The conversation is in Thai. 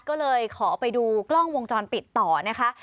ก็เลยขอไปดูกล้องวงจรปิดต่อนะคะ